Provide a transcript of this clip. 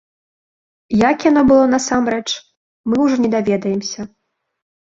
Як яно было насамрэч, мы ўжо не даведаемся.